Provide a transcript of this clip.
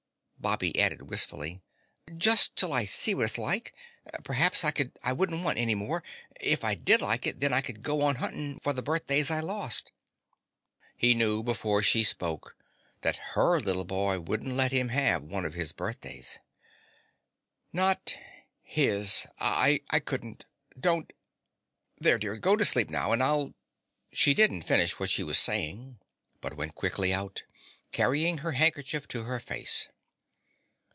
Bobby added wistfully: "Just till I see what it's like? P'raps I wouldn't want it any more. If I did like it, then I could go on hunting for the birthdays I lost." He knew before she spoke that her little boy wouldn't let him have one of his birthdays. "Not his. I couldn't. Don't. ... There, dear, go to sleep now and I'll. ..." She didn't finish what she was saying, but went quickly out, carrying her handkerchief to her face.